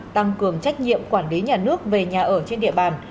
tăng cường trách nhiệm quản lý nhà nước về nhà ở trên địa bàn